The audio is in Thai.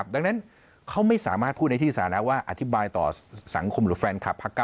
ดังนั้นเขาไม่สามารถพูดในที่สานะว่าอธิบายต่อสังคมหรือแฟนคลับพักกัน